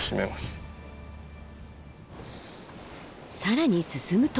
更に進むと。